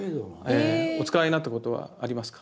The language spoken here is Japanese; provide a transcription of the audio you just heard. お使いになったことはありますか？